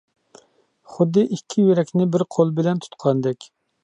خۇددى ئىككى يۈرەكنى بىر قول بىلەن تۇتقاندەك.